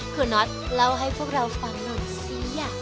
คุณน็อตเล่าให้พวกเราฟังหน่อยสิ